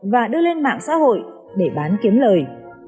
và đưa lên mạng xã hội để bán kiếm lời